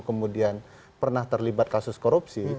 kemudian pernah terlibat kasus korupsi